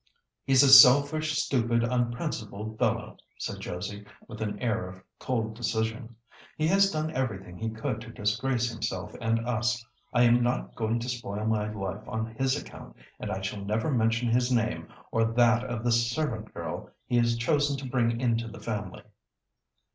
"He's a selfish, stupid, unprincipled fellow," said Josie, with an air of cold decision. "He has done everything he could to disgrace himself and us. I am not going to spoil my life on his account, and I shall never mention his name, or that of the servant girl he has chosen to bring into the family."